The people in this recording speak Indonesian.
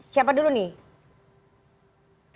siapa dulu nih